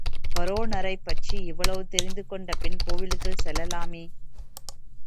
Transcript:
காரோணரைப் பற்றி இவ்வளவு தெரிந்து கொண்ட பின் கோயிலுக்குள் செல்லலாமே.